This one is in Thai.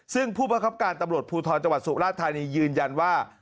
ซึ่งผู้ประคับการตำรวจภูทรจังหวัดสุราธานียืนยันว่า